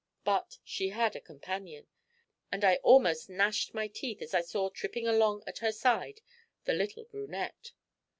But she had a companion, and I almost gnashed my teeth as I saw tripping along at her side the little brunette.